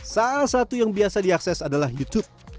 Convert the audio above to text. salah satu yang biasa diakses adalah youtube